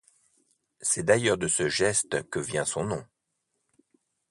C'est d'ailleurs de ce geste que vient son nom.